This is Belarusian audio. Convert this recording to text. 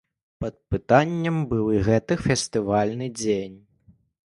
Пад пытаннем быў і гэты фестывальны дзень.